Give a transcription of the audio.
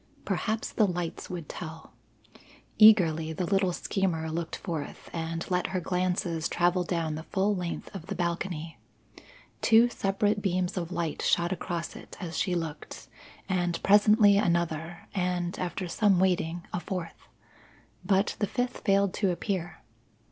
Perhaps the lights would tell. Eagerly the little schemer looked forth, and let her glances travel down the full length of the balcony. Two separate beams of light shot across it as she looked, and presently another, and, after some waiting, a fourth. But the fifth failed to appear.